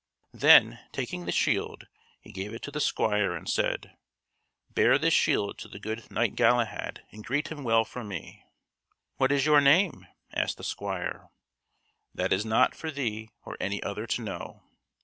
Then, taking the shield, he gave it to the squire and said: "Bear this shield to the good Knight Galahad and greet him well from me." "What is your name?" asked the squire. "That is not for thee or any other to know."